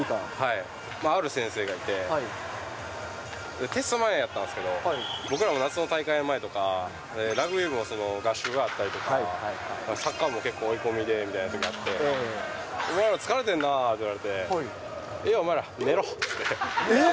ある先生がいて、テスト前やったんですけど、僕らも夏の大会前とか、ラグビー部の合宿があったりとか、サッカー部も結構追い込みでみたいなときがあって、お前ら、疲れてるなって言われて、いいやお前ら、えっ。